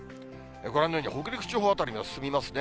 ご覧のように北陸地方辺りに進みますね。